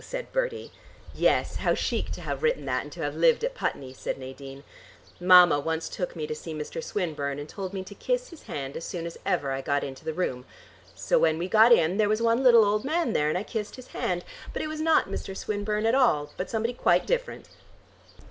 said Bertie. "Yes. How chic to have written that and to have lived at Putney," said Nadine. "Mama once took me to see Mr. Swinburne and told me to kiss his hand as soon as ever I got into the room. So when we got in, there was one little old man there, and I kissed his hand; but it was not Mr. Swinburne at all, but somebody quite different."